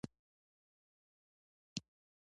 د رښتیني مینې مثال په نړۍ کې کم دی.